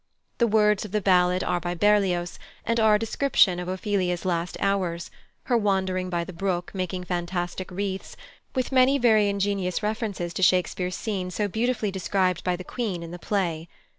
The words of the ballad are by Berlioz, and are a description of Ophelia's last hours, her wandering by the brook making fantastic wreaths, with many very ingenious references to Shakespeare's scene so beautifully described by the Queen in the play.